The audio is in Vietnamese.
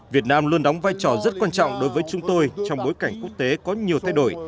việt nam luôn đóng vai trò rất quan trọng đối với chúng tôi trong bối cảnh quốc tế có nhiều thay đổi